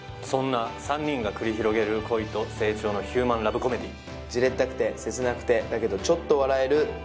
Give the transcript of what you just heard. そんな３人が繰り広げる恋と成長のヒューマンラブコメディじれったくて切なくてだけどちょっと笑える